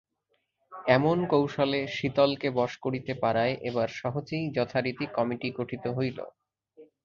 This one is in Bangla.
এমন কৌশলে শীতলকে বশ করিতে পারায় এবার সহজেই যথারীতি কমিটি গঠিত হইল।